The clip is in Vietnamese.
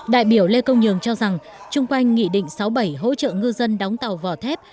đại biểu lê công nhường cho rằng chung quanh nghị định sáu bảy hỗ trợ ngư dân đóng tàu vỏ thép